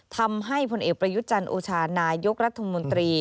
ทำให้พลเอกประยุจรรย์โอชานายกรัฐมนตรี